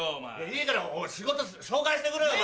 いいから仕事紹介してくれよ。